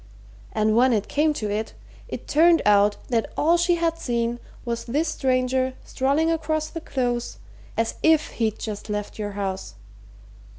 And when it came to it, it turned out that all she had seen was this stranger strolling across the Close as if he'd just left your house.